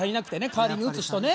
代わりに打つ人ね。